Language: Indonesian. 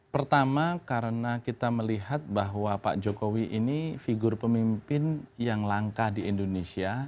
pertama karena kita melihat bahwa pak jokowi ini figur pemimpin yang langka di indonesia